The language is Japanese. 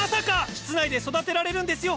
室内で育てられるんですよ